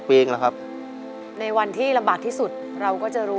เปลี่ยนเพลงเพลงเก่งของคุณและข้ามผิดได้๑คำ